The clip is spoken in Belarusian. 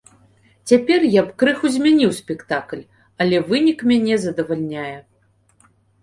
Цяпер я б крыху змяніў спектакль, але вынік мяне задавальняе.